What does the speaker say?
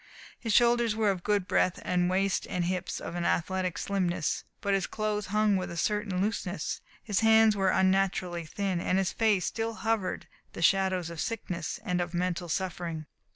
His shoulders were of good breadth, his waist and hips of an athletic slimness. But his clothes hung with a certain looseness. His hands were unnaturally thin, and in his face still hovered the shadows of sickness and of mental suffering.